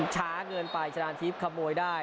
ช้าเงินไปชนาดทีพขโมยได้